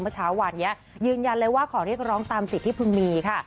เมื่อเช้าวานนี้ยืนยันเลยว่าขอเรียกร้องตามสิทธิ์ที่เพิ่งมีค่ะ